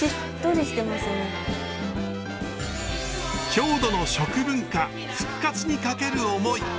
郷土の食文化復活にかける思い！